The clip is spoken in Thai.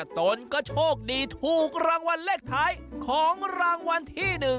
ตนก็โชคดีถูกรางวัลเลขท้ายของรางวัลที่๑